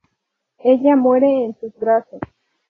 Ella muere en sus brazos.